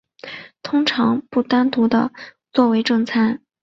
通常不单独地作为正餐。